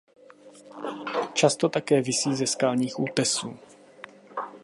Často také visí ze skalních útesů.